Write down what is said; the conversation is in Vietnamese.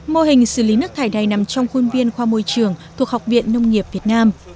mô hình xử lý nước thải đầy nằm trong khuôn viên khoa môi trường thuộc học viện nông nghiệp việt nam